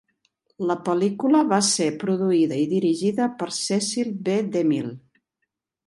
La pel·lícula va ser produïda i dirigida per Cecil B. DeMille.